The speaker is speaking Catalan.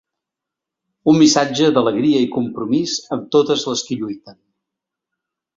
Un missatge d'alegria i compromís amb totes les qui lluiten.